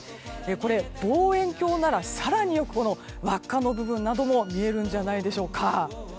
これ、望遠鏡なら更によく輪っかの部分なども見えるんじゃないでしょうか。